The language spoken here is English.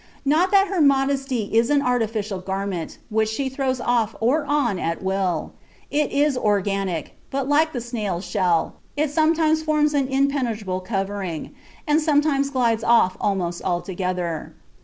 Not that her modesty is an artificial garment, which she throws off or on at will. It is organic, but like the snail's shell, it sometimes forms an impenetrable covering, and sometimes glides off almost altogether.